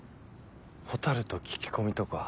蛍と聞き込みとか。